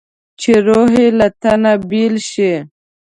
چې روح یې له تنه بېل شي.